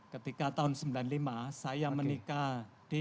ketika tahun sembilan puluh lima saya menikah di